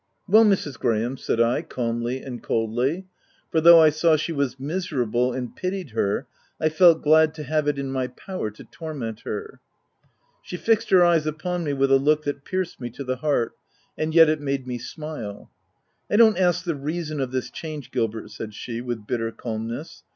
" Well, Mrs. Graham ?" said I, calmly and coldly ; for, though I saw she was miserable, and pitied her, I felt glad to have it in my power to torment her. 254 THE TENANT She fixed her eyes upon me with a look that pierced me to the heart; — and yet, it made me smile. " I don't ask the reason of this change, Gil bert/' said she with bitter calmness.